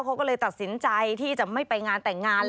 เขาก็เลยตัดสินใจที่จะไม่ไปงานแต่งงาน